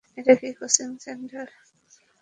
এটাই কি coaching centre?